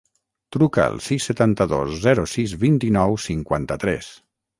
Truca al sis, setanta-dos, zero, sis, vint-i-nou, cinquanta-tres.